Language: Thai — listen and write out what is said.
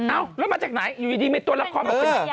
เอ้าแล้วมาจากไหนอยู่ดีต้นละข่อเพิ่งได้แบบนี้